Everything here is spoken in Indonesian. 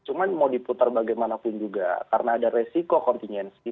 cuma mau diputar bagaimanapun juga karena ada resiko kontingensi